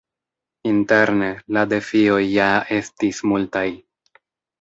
Interne, la defioj ja estis multaj.